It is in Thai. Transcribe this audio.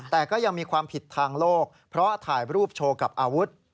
แต่ก็ยังมีความผิดทางโลกเพราะถ่ายรูปโชว์กับอาวุธ